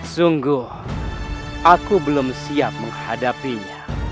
sungguh aku belum siap menghadapinya